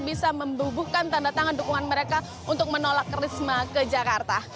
bisa membubuhkan tanda tangan dukungan mereka untuk menolak risma ke jakarta